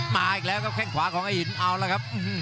มาอีกแล้วครับแค่งขวาของไอ้หินเอาแล้วครับ